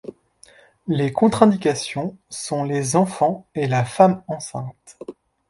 Les contre-indications sont les enfants et la femme enceinte.